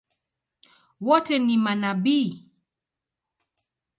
Wote ni manabii?